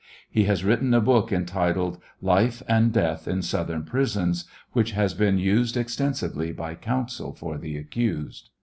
He has written a book entitled " Life and Death ia Southern Prisons," which has been used extensively by counsel for the accused.